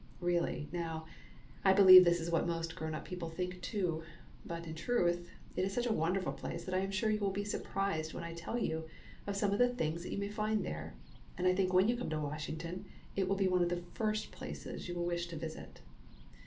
Really, now, I believe this is what most grown up people think too; but in truth, it is such a wonderful place that I am sure you will be surprised when I tell you of some of the things you may find there, and I think when you come to Washington it will be one of the first places you will wish to visit.